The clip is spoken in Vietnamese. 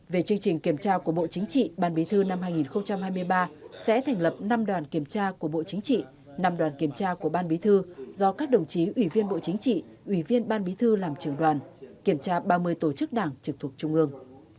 về chương trình kiểm tra của bộ chính trị ban bí thư năm hai nghìn hai mươi ba sẽ thành lập năm đoàn kiểm tra của bộ chính trị năm đoàn kiểm tra của ban bí thư do các đồng chí ủy viên bộ chính trị ủy viên ban bí thư làm trưởng đoàn kiểm tra ba mươi tổ chức đảng trực thuộc trung ương